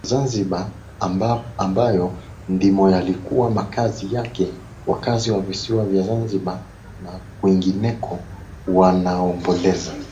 Zanzibar ambayo ndimo yalikuwa makazi yake Wakazi wa visiwa vya Zanzibar na kwengineno wanaomboleza